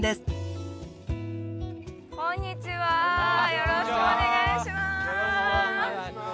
よろしくお願いします。